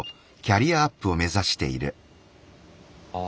ああ。